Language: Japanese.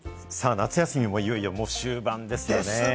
夏休みもいよいよ終盤ですよね。